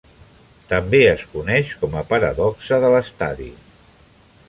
També es coneix com a Paradoxa de l'estadi.